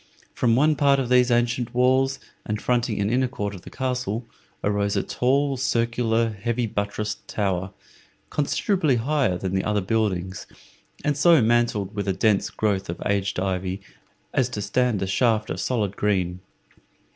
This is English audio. From one part of these ancient walls, and fronting an inner court of the castle, arose a tall, circular, heavy buttressed tower, considerably higher than the other buildings, and so mantled with a dense growth of aged ivy as to stand a shaft of solid green.